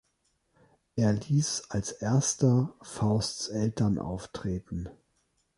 Er ließ als erster Fausts Eltern auftreten.